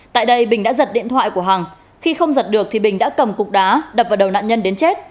tại đây bình đã giật điện thoại của hằng khi không giật được thì bình đã cầm cục đá đập vào đầu nạn nhân đến chết